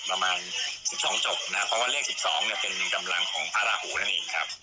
เพราะว่าเลข๑๒เป็นกำลังของพระหูนั่นเองครับ